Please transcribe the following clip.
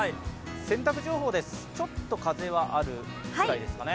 洗濯情報です、ちょっと風はあるぐらいですかね。